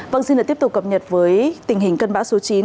vâng xin tiếp tục cập nhật với tình hình cân bão số chín